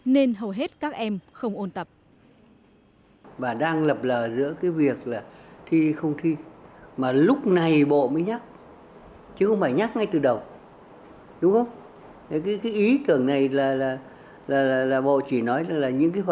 nên hầu hết các em không ôn tập